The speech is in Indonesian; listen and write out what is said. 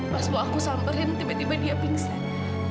pas mau aku samperin tiba tiba dia pingsan